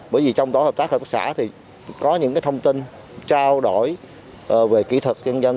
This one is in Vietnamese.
bởi vì trong tổ hợp tác xã thì có những thông tin trao đổi về kỹ thuật nhân dân